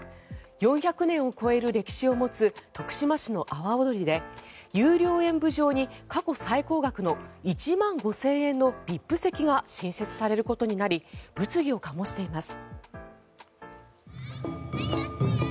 ４００年を超える歴史を持つ徳島市の阿波おどりで有料演舞場に過去最高額の１万５０００円のＶＩＰ席が新設されることになり物議を醸しています。